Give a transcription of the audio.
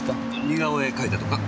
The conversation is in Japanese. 似顔絵描いたとか？